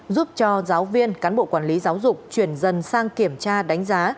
giúp cho giáo viên cán bộ quản lý giáo dục chuyển dần sang kiểm tra đánh giá